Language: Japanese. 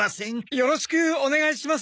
よろしくお願いします。